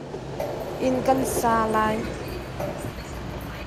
Inn kan sa lio.